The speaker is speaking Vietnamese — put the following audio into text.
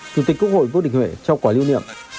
chủ tịch quốc hội vương đình huệ trao quả lưu niệm